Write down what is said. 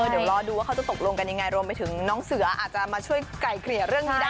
เดี๋ยวรอดูว่าเขาจะตกลงกันยังไงรวมไปถึงน้องเสืออาจจะมาช่วยไก่เกลี่ยเรื่องนี้ได้